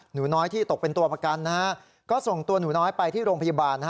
หนูน้อยที่ตกเป็นตัวประกันนะฮะก็ส่งตัวหนูน้อยไปที่โรงพยาบาล